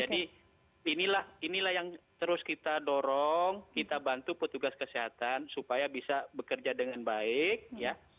jadi inilah yang terus kita dorong kita bantu petugas kesehatan supaya bisa bekerja dengan baik ya